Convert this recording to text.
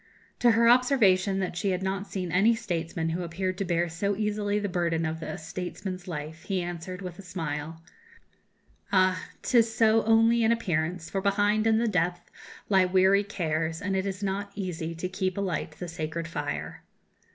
To her observation that she had not seen any statesman who appeared to bear so easily the burden of a statesman's life, he answered, with a smile: "Ah! 'tis so only in appearance; for behind, in the depth, lie weary cares, and it is not easy to keep alight the sacred fire."